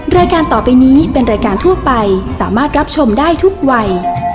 รายการต่อไปนี้เป็นรายการทั่วไปสามารถรับชมได้ทุกวัย